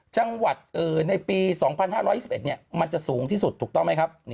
จังหวัดในปี๒๕๒๑มันจะสูงที่สุดถูกต้องไหมครับ